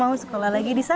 mau sekolah lagi di sana